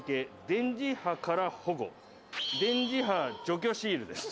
「“電磁波から保護”」「電磁波除去シールです」